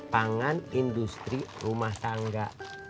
pangan industri rumah sangga